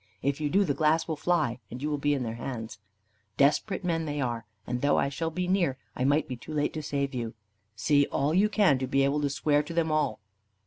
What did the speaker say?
If you do, the glass will fly, and you will be in their hands. Desperate men they are, and though I shall be near, I might be too late to save you. See all you can, to be able to swear to them all."